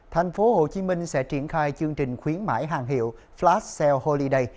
thành phố hồ chí minh sẽ triển khai chương trình khuyến mãi hàng hiệu flash sale holiday